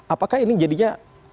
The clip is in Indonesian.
apakah ini jadinya